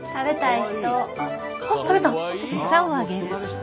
あっ食べた。